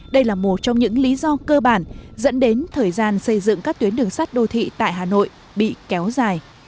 đây là một trong những lý do cơ bản dẫn đến thời gian xây dựng các tuyến đường sắt đô thị tại hà nội bị kéo dài